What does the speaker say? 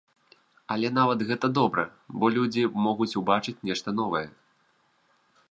Але нават гэта добра, бо людзі могуць ўбачыць нешта новае.